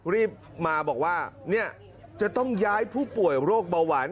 รีบมาบอกว่าจะต้องย้ายผู้ป่วยโรคเบาหวาน